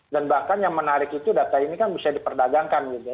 dan bahkan yang menarik itu data ini kan bisa diperdagangkan gitu ya